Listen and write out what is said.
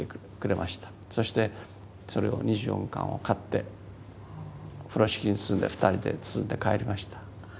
そしてそれを２４巻を買って風呂敷に包んで２人で包んで帰りました。